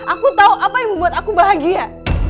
aku tahu apa yang membuat aku bahagia